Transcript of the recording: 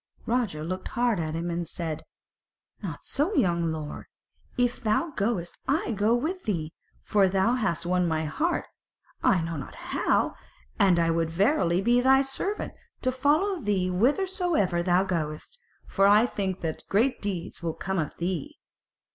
Roger looked hard at him and said: "Not so, young lord; if thou goest I will go with thee, for thou hast won my heart, I know not how: and I would verily be thy servant, to follow thee whithersoever thou goest; for I think that great deeds will come of thee."